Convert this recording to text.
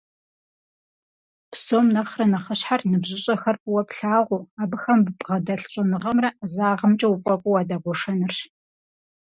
Псом нэхърэ нэхъыщхьэр ныбжьыщӀэхэр фӀыуэ плъагъуу, абыхэм ббгъэдэлъ щӀэныгъэмрэ ӀэзагъымкӀэ уфӀэфӀу уадэгуэшэнырщ.